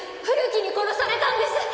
古木に殺されたんです。